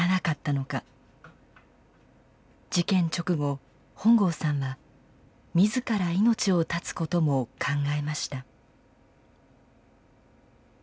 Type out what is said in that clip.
事件直後本郷さんは自ら命を絶つことも考えました。